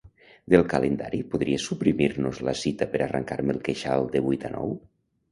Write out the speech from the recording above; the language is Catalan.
Del calendari podries suprimir-nos la cita per arrencar-me el queixal de vuit a nou?